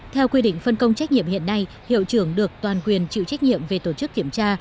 theo quy định phân công trách nhiệm hiện nay hiệu trưởng được toàn quyền chịu trách nhiệm về tổ chức kiểm tra